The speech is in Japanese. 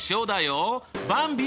ばんび